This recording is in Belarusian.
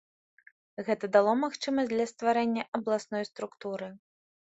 Гэта дало магчымасць для стварэння абласной структуры.